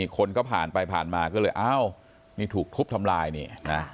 คนก็ผ่านไปผ่านมาก็เลยอ้าวนี่ถูกทุบทำลายนี่นะ